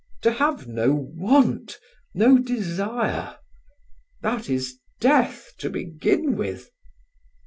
To have no want, no desire—that is death, to begin with."